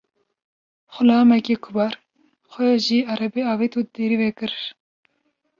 Xulamekî kubar xwe ji erebê avêt û derî vekir.